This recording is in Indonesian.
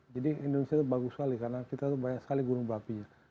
jadi indonesia itu bagus sekali karena kita itu banyak sekali gunung berapi